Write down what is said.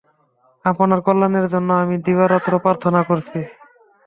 আপনার কল্যাণের জন্য আমি দিবারাত্র প্রার্থনা করছি।